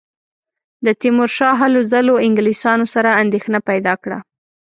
د تیمورشاه هلو ځلو انګلیسیانو سره اندېښنه پیدا کړه.